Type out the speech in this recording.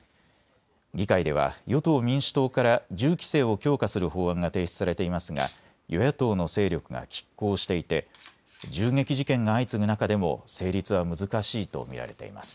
議会では与党・民主党から銃規制を強化する法案が提出されていますが与野党の勢力がきっ抗していて銃撃事件が相次ぐ中でも成立は難しいと見られています。